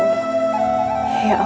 di dalam kekurangan hamba ya allah